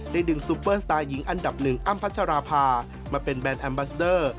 ดึงซูเปอร์สตาร์หญิงอันดับหนึ่งอ้ำพัชราภามาเป็นแบรนดแอมบัสเดอร์